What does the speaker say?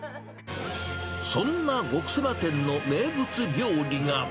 そんな極セマ店の名物料理が。